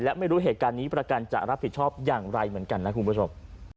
และไม่รู้เหตุการณ์นี้ประกันจะรับผิดชอบอย่างไรเหมือนกันนะคุณผู้ชม